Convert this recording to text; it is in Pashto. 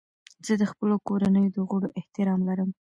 زه د خپلو کورنیو د غړو احترام لرم.